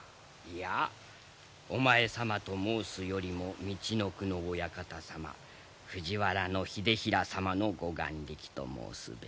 いやお前様と申すよりもみちのくのお館様藤原秀衡様のご眼力と申すべきか。